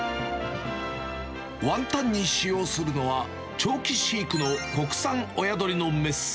ワンタンに使用するのは、長期飼育の国産親鶏の雌。